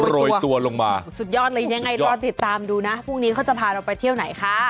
โรยตัวลงมาสุดยอดเลยยังไงรอติดตามดูนะพรุ่งนี้เขาจะพาเราไปเที่ยวไหนคะ